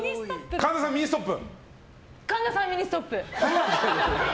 神田さんはミニストップ！